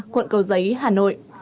quận cầu giấy hà nội